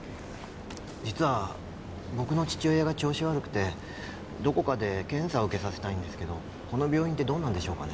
実は僕の父親が調子悪くてどこかで検査を受けさせたいんですけどこの病院ってどうなんでしょうかね？